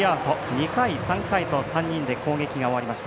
２回、３回と３人で攻撃が終わりました。